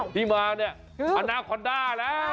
ที่มาเนี่ยอนาคอนด้าแล้ว